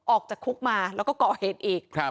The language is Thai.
ออกจากคุกมาแล้วก็ก่อเหตุอีก